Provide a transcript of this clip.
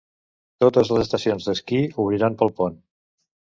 Totes les estacions d'esquí obriran pel pont.